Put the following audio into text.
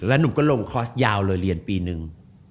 แล้วหนุ่มก็ลงคอร์สยาวเลยเรียนปีนึง